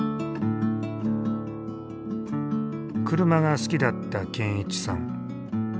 車が好きだった健一さん。